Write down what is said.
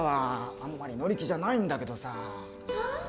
あんまり乗り気じゃないんだけどまた？